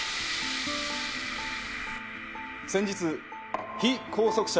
先日被拘束者